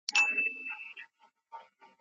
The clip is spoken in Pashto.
واکمني پای ته رسیدلې ده.